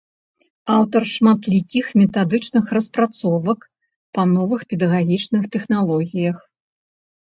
Аўтар шматлікіх метадычных распрацовак па новых педагагічных тэхналогіях.